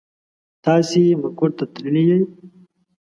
تاسې مقر ته تللي يئ.